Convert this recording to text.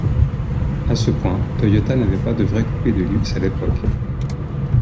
À ce point, Toyota n'avait pas de vrai coupé de luxe à l'époque.